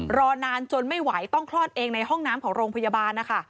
รอนานจนไม่ไหวต้องคลอดเองในห้องน้ำของโรงพยาบาลนะคะ